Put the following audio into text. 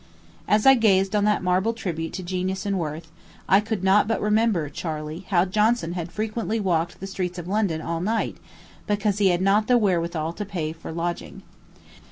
As I gazed on that marble tribute to genius and worth, I could not but remember, Charley, how Johnson had frequently walked the streets of London all night, because he had not the wherewithal to pay for a lodging.